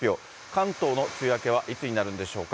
関東の梅雨明けはいつになるんでしょうか。